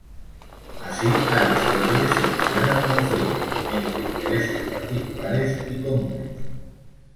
Así Aristóteles soluciona el conflicto entre intereses particulares y comunes.